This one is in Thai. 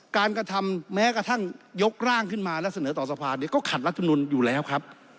กระทำแม้กระทั่งยกร่างขึ้นมาและเสนอต่อสภานี้ก็ขัดรัฐมนุนอยู่แล้วครับ